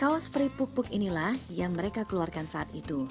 kaos free puk puk inilah yang mereka keluarkan saat itu